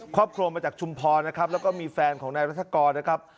ครอบครัวมาจากชุมพรนะครับแล้วก็มีแฟนของนายรัฐกรนะครับ